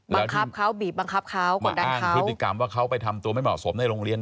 บังคับเขาบีบบังคับเขากดดันอ้างพฤติกรรมว่าเขาไปทำตัวไม่เหมาะสมในโรงเรียน